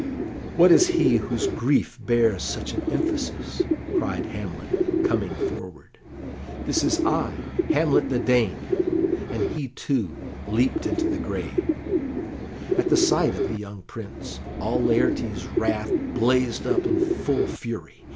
"What is he whose grief bears such an emphasis?" cried Hamlet, coming forward. "This is I, Hamlet the Dane." And he, too, leaped into the grave. At the sight of the young Prince, all Laertes's wrath blazed up in full fury.